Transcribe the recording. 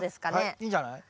いいんじゃない。